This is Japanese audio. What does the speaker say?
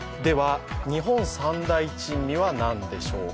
日本三大珍味はなんでしょう。